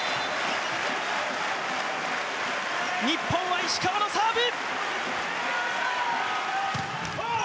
日本は石川のサーブ！